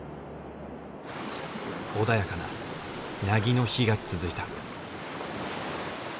穏やかな凪の日が続いた。